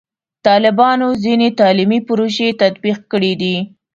طالبانو ځینې تعلیمي پروژې تطبیق کړي دي.